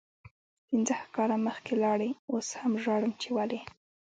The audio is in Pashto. پنځه کاله مخکې لاړی اوس هم ژاړم چی ولې